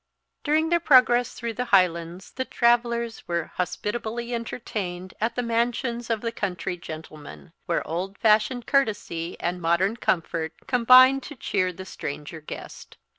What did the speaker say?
DURING their progress through the Highlands the travellers were hospitably entertained at the mansions of the country gentlemen, where old fashioned courtesy and modern comfort combined to cheer the stranger guest.